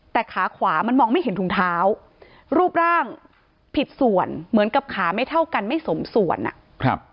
แต่ขาขวามันมองไม่เห็นถุงเท้ารูปร่างผิดส่วนเหมือนกับขาไม่เท่ากันไม่สมส่วนอ่ะครับ